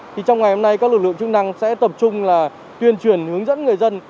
thì trong ngày hôm nay các lực lượng chức năng sẽ tập trung là tuyên truyền hướng dẫn người dân